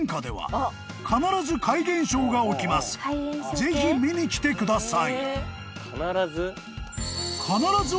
「ぜひ見に来てください」